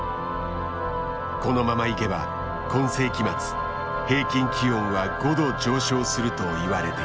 このままいけば今世紀末平均気温は５度上昇するといわれている。